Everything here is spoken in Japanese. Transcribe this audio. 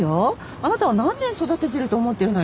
あなたを何年育ててると思ってるのよ？